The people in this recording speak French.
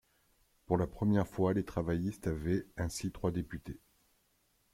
Pour la première fois, les Travaillistes avaient ainsi trois députés.